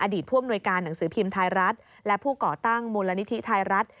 ผู้อำนวยการหนังสือพิมพ์ไทยรัฐและผู้ก่อตั้งมูลนิธิไทยรัฐ